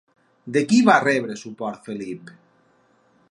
De qui va rebre suport Felip?